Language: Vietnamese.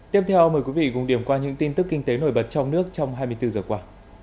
tiếp theo mời quý vị cùng điểm qua những tin tức kinh tế nổi bật trong nước trong hai mươi bốn giờ qua